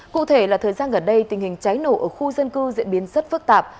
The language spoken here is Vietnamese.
cụ thể là thời gian gần đây tình hình cháy nổ ở khu dân cư diễn biến rất phức tạp